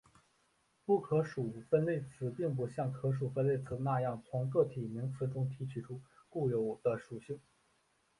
不可数分类词并不像可数分类词那样从个体名词中提取出固有的属性。